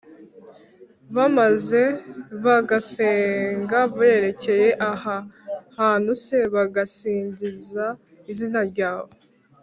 B maze bagasenga berekeye aha hantu c bagasingiza izina ryawe